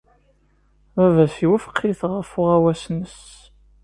Baba-s iwufeq-it ɣef uɣawas-nnes.